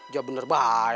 jawab bener baik